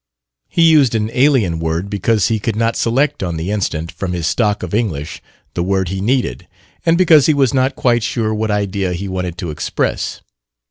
He used an alien word because he could not select, on the instant, from his stock of English, the word he needed, and because he was not quite sure what idea he wanted to express.